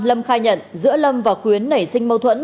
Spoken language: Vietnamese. lâm khai nhận giữa lâm và quyến nảy sinh mâu thuẫn